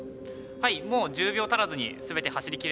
はいもう１０秒足らずに全て走り切れると。